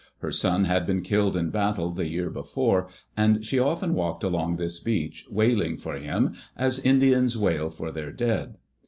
Her son had been killed in battle the year before, and she often walked along this beach, wailing for him, as Indians wail for their dead.